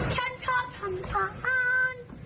ฉันชอบทำอาหาร